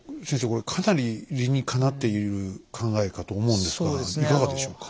これかなり理にかなっている考えかと思うんですがいかがでしょうか？